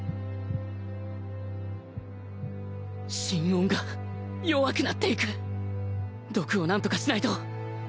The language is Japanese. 心音が弱くなっていく毒を何とかしないと